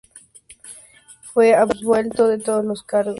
Fue absuelto de todos los cargos, pues en ningún caso se pudo probar nada.